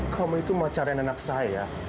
kamu itu macaran anak saya